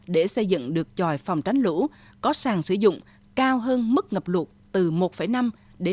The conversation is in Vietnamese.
để xây dựng được chòi phòng tránh lũ có sàn sử dụng cao hơn mức ngập luộc từ một năm ba sáu m